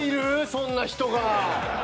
そんな人が。